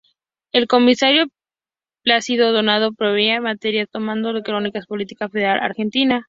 El comisario Plácido Donato proveía material tomado de crónicas de la Policía Federal Argentina.